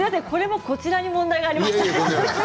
これも、こちらに問題がありました。